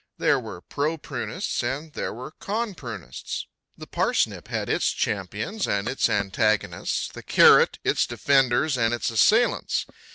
There were pro prunists and there were con prunists. The parsnip had its champions and its antagonists; the carrot its defenders and its assailants.